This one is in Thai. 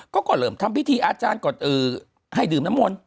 ก็เริ่มทำพิธีอาจารย์ก่อนให้ดื่มน้ำมนต์